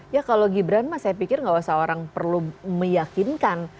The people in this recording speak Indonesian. ya kalau gibran mas saya pikir nggak usah orang perlu meyakinkan